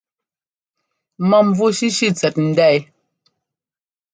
Mɔ̂mvú shíshí tsɛt ndá yɛ.